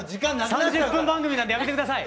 ３０分番組なんでやめて下さい。